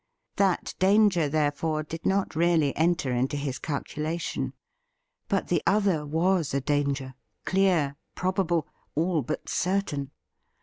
That danger, therefore, did not really enter into his calculation. But the other was a danger, clear, probable — all but certain.